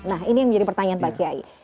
nah ini yang menjadi pertanyaan pak kiai